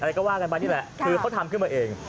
ก็ว่ากันไปนี่แหละคือเขาทำขึ้นมาเอง